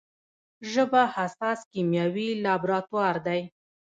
ژبه حساس کیمیاوي لابراتوار دی.